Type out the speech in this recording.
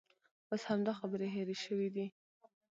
اوس همدا خبرې هېرې شوې دي.